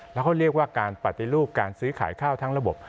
เราก็เรียกว่าการปฏิลูกการซื้อขายข้าวทั้งระบบ